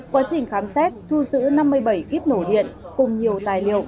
quá trình khám xét thu giữ năm mươi bảy kíp nổ điện cùng nhiều tài liệu